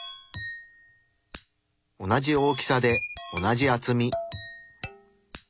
同じ大きさで同じ厚み。